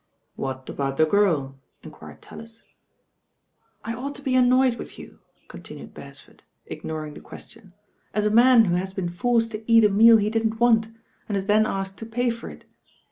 * ♦•What about the girl?" enquired TaUis. I ought to be annoyed with you," continued Beresford, ignonng the question, "as a man who has been forced to cat a meal he didn't want and 18 then asked to pay for it.